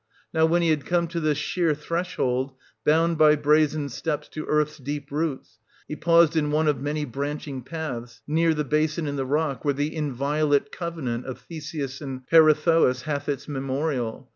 Now, when he had come to the sheer Threshold, 1590 bound by brazen steps to earth's deep roots, he paused in one of many branching paths, near the basin in the rock, where the inviolate covenant of Theseus and Peirithous hath its memorial.